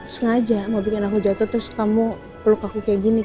sengaja mau bikin aku jatuh terus kamu peluk aku kayak gini